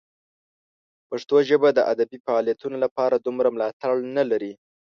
پښتو ژبه د ادبي فعالیتونو لپاره دومره ملاتړ نه لري.